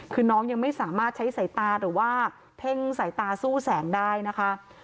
คือน้องยังไม่สามารถใช้สายตาหรือว่าเพ่งสายตาสู้แสงได้นะคะ